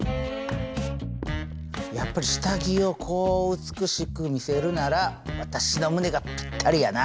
やっぱり下着を美しく見せるなら私の胸がピッタリやな。